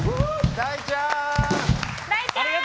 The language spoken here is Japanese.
大ちゃん！